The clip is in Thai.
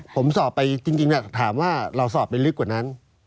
ผมสอบไปจริงถามว่าเราสอบไปลึกกว่านั้น